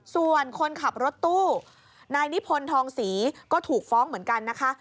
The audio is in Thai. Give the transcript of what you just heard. ส่วนคนขับรถตู้นายนิพนธ์ทองศรีก็ถูกฟ้องเหมือนกันนะคะ